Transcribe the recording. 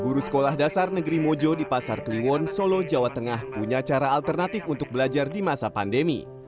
guru sekolah dasar negeri mojo di pasar kliwon solo jawa tengah punya cara alternatif untuk belajar di masa pandemi